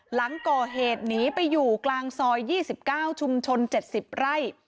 หลังก่อเหตุหนีไปอยู่กลางซอยยี่สิบเก้าชุมชนเจ็ดสิบไร้